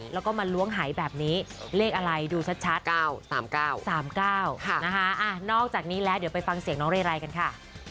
แล้วก็มาล้วงหายแบบนี้เลขอะไรดูชัด๙๓๙๓๙นะคะนอกจากนี้แล้วเดี๋ยวไปฟังเสียงน้องเรไรกันค่ะ